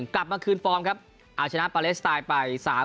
๐๑กลับมาคืนฟอร์มครับอาจจะน้าปาเลสไตล์ไป๓๐